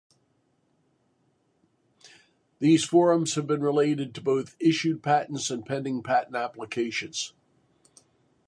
These forums have been related to both issued patents and pending patent applications.